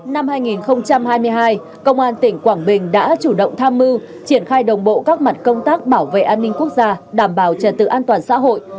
năm hai nghìn hai mươi hai công an tỉnh quảng bình đã chủ động tham mưu triển khai đồng bộ các mặt công tác bảo vệ an ninh quốc gia đảm bảo trật tự an toàn xã hội